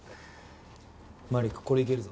マリックこれいけるぞ。